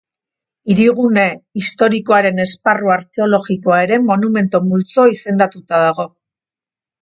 Hirigune historikoaren esparru arkeologikoa ere Monumentu Multzo izendatuta dago.